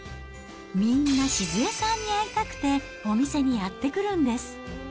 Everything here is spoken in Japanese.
みんな静恵さんに会いたくて、お店にやって来るんです。